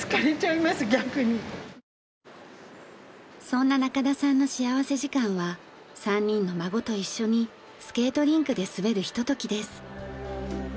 そんな中田さんの幸福時間は３人の孫と一緒にスケートリンクで滑るひとときです。